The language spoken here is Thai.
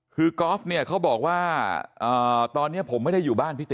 คือกอล์ฟเนี่ยเขาบอกว่าตอนนี้ผมไม่ได้อยู่บ้านพี่เต้